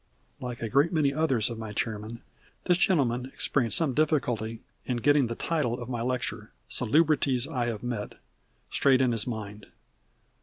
Like a great many others of my chairmen, this gentleman experienced some difficulty in getting the title of my lecture, "Salubrities I Have Met," straight in his mind.